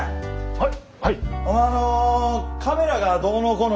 はい。